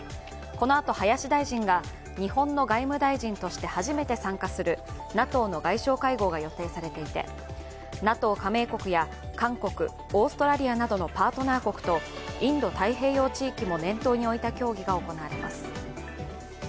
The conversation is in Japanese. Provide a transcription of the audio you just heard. このあと、林大臣が日本の外務大臣として初めて参加するＮＡＴＯの外相会合が予定されていてＮＡＴＯ加盟国や韓国、オーストラリアなどのパートナー国とインド太平洋地域も念頭に置いた協議が行われます。